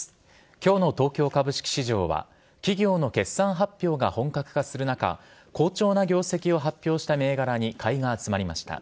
今日の東京株式市場は企業の決算発表が本格化する中好調な業績を発表した銘柄に買いが集まりました。